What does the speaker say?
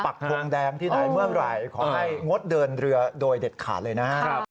ทงแดงที่ไหนเมื่อไหร่ขอให้งดเดินเรือโดยเด็ดขาดเลยนะครับ